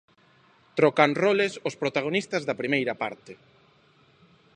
Trocan roles os protagonistas da primeira parte.